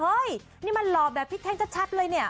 นี่มันหล่อแบบพี่แท่งชัดเลยเนี่ย